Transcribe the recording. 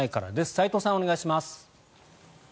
齋藤さん、お願いします。